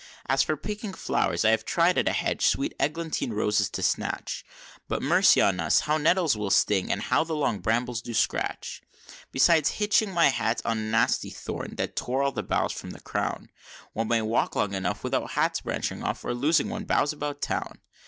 As for picking flow'rs, I have tried at a hedge, sweet eglantine roses to snatch, But, mercy on us! how nettles will sting, and how the long brambles do scratch; Besides hitching my hat on a nasty thorn that tore all the bows from the crown, One may walk long enough without hats branching off, or losing one's bows about town.